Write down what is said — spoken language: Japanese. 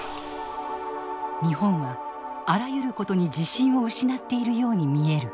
日本はあらゆることに自信を失っているように見える。